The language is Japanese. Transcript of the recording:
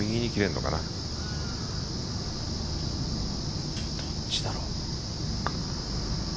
どっちだろう。